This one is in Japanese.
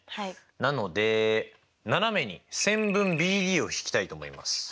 なので斜めに線分ＢＤを引きたいと思います！